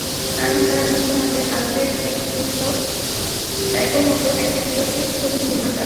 কারণ, তাঁর ভাষ্যমতে, আলফ্রেড হিচকক সাইকোর মতো একটা বিরক্তির ছবির নির্মাতা।